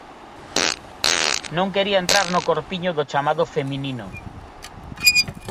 Non quería entrar no corpiño do chamado feminino.